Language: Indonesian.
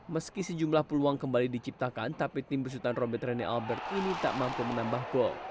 meski sejumlah peluang kembali diciptakan tapi tim besutan robert rene albert ini tak mampu menambah gol